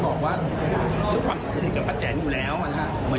ตอนนี้มีกระแสข่าวว่าคุณพ่อเองมีข่าวว่าจะมาเพื่อไทย